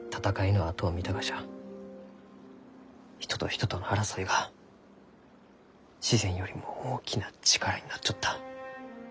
人と人との争いが自然よりも大きな力になっちょった。